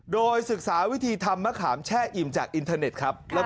โดยศึกษาวิธีทำมะขามแช่อิ่มจากอินเทอร์เน็ตครับ